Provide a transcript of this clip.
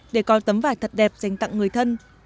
để có tấm vải thật đẹp dành tặng người thân